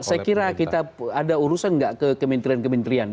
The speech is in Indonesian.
saya kira kita ada urusan nggak ke kementerian kementerian